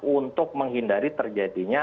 untuk menghindari terjadinya